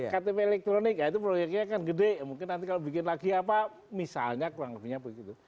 ktp elektronik ya itu proyeknya kan gede mungkin nanti kalau bikin lagi apa misalnya kurang lebihnya begitu